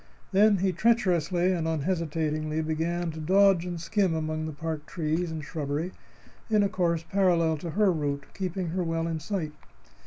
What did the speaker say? Then he treacherously and unhesitatingly began to dodge and skim among the park trees and shrubbery in a course parallel to her route, keeping her well in sight.